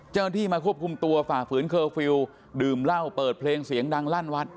เจ้าหน้าที่มาควบคุมตัวฝ่าฝืนเคอร์ฟิลล์ดื่มเหล้าเปิดเพลงเสียงดังลั่นวัด